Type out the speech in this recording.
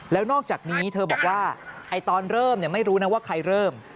แล้วนอกจากนี้เธอบอกว่าตอนเริ่มไม่รู้นะว่าใครเริ่ม